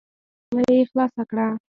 په خوله یې خلاصه کړئ.